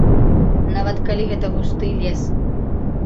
Нават калі гэта густы лес.